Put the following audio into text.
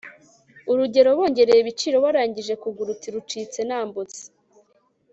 urugero bongereye ibiciro warangije kugura, uti «rucitse nambutse»